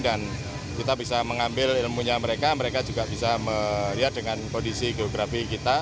dan kita bisa mengambil ilmunya mereka mereka juga bisa melihat dengan kondisi geografi kita